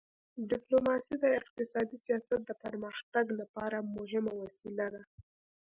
ډیپلوماسي د اقتصادي سیاست د پرمختګ لپاره مهمه وسیله ده.